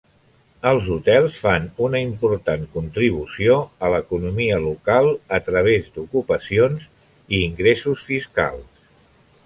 Els hotels fan una important contribució a l'economia local a través d'ocupacions i ingressos fiscals.